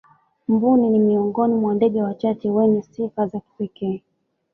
mbuni ni miongoni mwa ndege wachache wenye sifa za kipekee